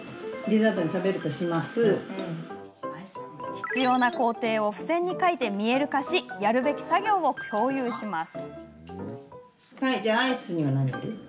必要な工程を付箋に書いて見える化しやるべき作業を共有します。